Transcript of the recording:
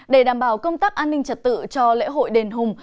để đảm bảo công tác an ninh trật tự cho lễ hội đền hùng